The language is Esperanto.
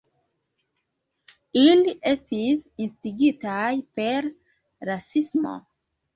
Ili estis instigitaj per rasismo.